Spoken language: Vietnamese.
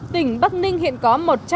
tỉnh bắc ninh hiện có một trăm linh